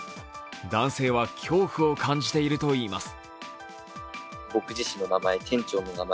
男性は恐怖を感じているといいます。